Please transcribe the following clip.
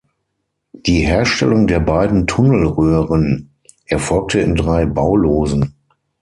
Die Herstellung der beiden Tunnelröhren erfolgte in drei Baulosen.